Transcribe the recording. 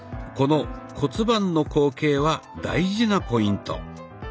この骨盤の後傾は大事なポイント。